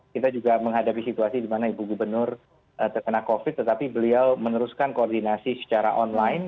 kita juga menghadapi situasi di mana ibu gubernur terkena covid tetapi beliau meneruskan koordinasi secara online